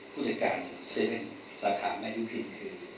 ผู้จัดการ๗๑๑สาขาแม่รูปนี้คือ